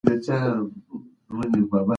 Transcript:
ښوونځي تېر وخت کې بدلون راوست.